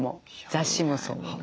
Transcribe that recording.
雑誌もそう。